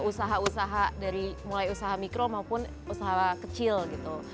usaha usaha dari mulai usaha mikro maupun usaha kecil gitu